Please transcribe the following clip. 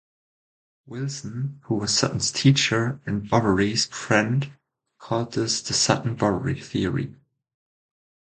Wilson, who was Sutton's teacher and Boveri's friend, called this the "Sutton-Boveri Theory".